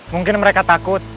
mungkin mereka takut